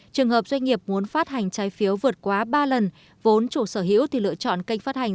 trường hợp doanh nghiệp muốn phát hành trái phiếu vượt quá ba lần vốn chủ sở hữu thì lựa chọn kênh phát hành